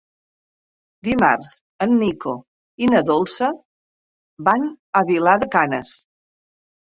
Dimarts en Nico i na Dolça van a Vilar de Canes.